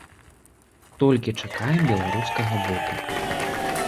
Толькі чакаем беларускага боку.